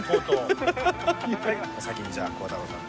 お先にじゃあ孝太郎さん。